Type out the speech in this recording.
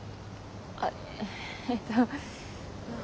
あっえっと。